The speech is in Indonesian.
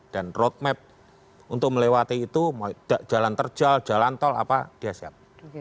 dan roadmap untuk melewati itu jalan terjal jalan tol apa dia siap